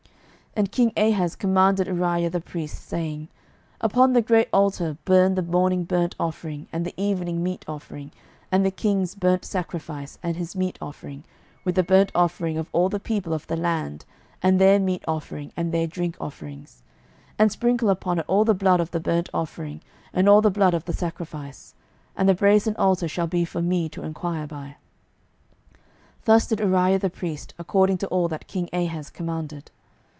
12:016:015 And king Ahaz commanded Urijah the priest, saying, Upon the great altar burn the morning burnt offering, and the evening meat offering, and the king's burnt sacrifice, and his meat offering, with the burnt offering of all the people of the land, and their meat offering, and their drink offerings; and sprinkle upon it all the blood of the burnt offering, and all the blood of the sacrifice: and the brasen altar shall be for me to enquire by. 12:016:016 Thus did Urijah the priest, according to all that king Ahaz commanded.